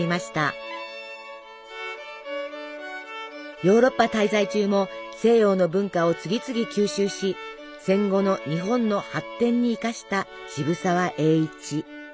ヨーロッパ滞在中も西洋の文化を次々吸収し戦後の日本の発展に生かした渋沢栄一。